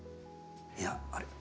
いやあれ？